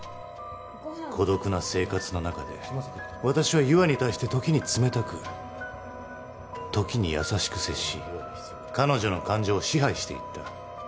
孤独な生活の中で私は優愛に対して時に冷たく時に優しく接し彼女の感情を支配していった。